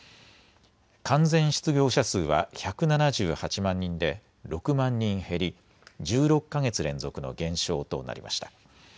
完全失業者数は１７８万人で６万人減り１６か月連続の減少となりました。